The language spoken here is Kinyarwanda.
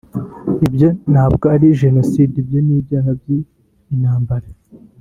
Ibyo ntabwo ari Jenoside ibyo ni ibyaha by’intambara